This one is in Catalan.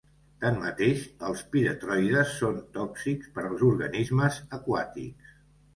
Tanmateix, els piretroides són tòxics per als organismes aquàtics.